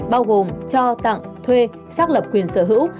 bao gồm cho tặng thuê xác lập quyền sở hữu